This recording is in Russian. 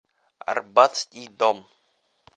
Арбатский дом.